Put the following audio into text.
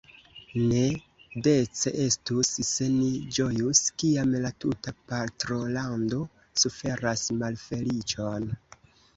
Ne dece estus, se ni ĝojus, kiam la tuta patrolando suferas malfeliĉon.